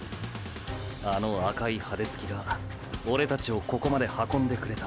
あの赤い派手好きがオレたちをここまで運んでくれた。